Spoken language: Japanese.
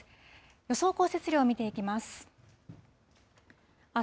予想降雪量を見ていきます。